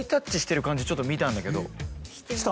ちょっと見たんだけど。